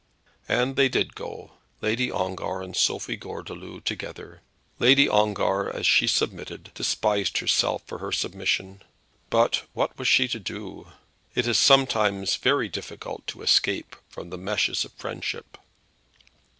And they did go, Lady Ongar and Sophie Gordeloup together. Lady Ongar, as she submitted, despised herself for her submission; but what was she to do? It is sometimes very difficult to escape from the meshes of friendship.